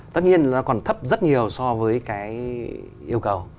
tất nhiên nó còn thấp rất nhiều so với cái yêu cầu